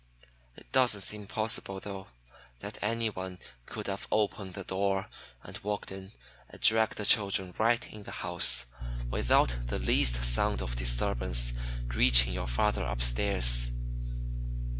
It doesn't seem possible, though, that anyone could have opened the door, and walked in, and dragged the children right in the house, without the least sound of disturbance reaching your father upstairs.